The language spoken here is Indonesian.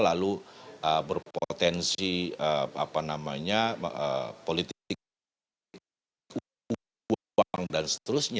lalu berpotensi apa namanya politik uang dan seterusnya